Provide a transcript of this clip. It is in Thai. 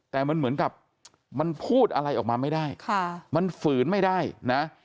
แต่มันเหมือนกับมันพูดอะไรออกมาไม่ได้มันฝืนไม่ได้นะ